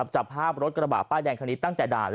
จับภาพรถกระบะป้ายแดงคันนี้ตั้งแต่ด่าน